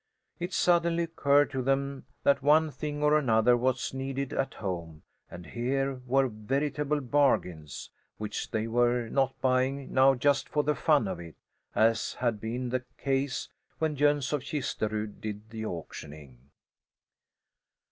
It suddenly occurred to them that one thing or another was needed at home and here were veritable bargains, which they were not buying now just for the fun of it, as had been the case when Jöns of Kisterud did the auctioning.